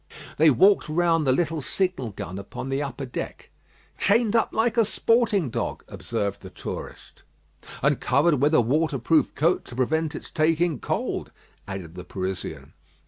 They walked round the little signal gun upon the upper deck. "Chained up like a sporting dog," observed the tourist. "And covered with a waterproof coat to prevent its taking cold," added the Parisian.